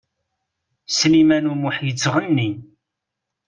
Sliman U Muḥ yettɣenni.